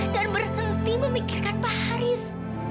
berhenti memikirkan pak haris